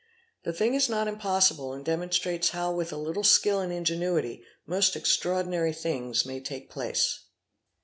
The thing is not impossible and demonstrates how, with a little skill and ingenuity, most extraordinary things may take place.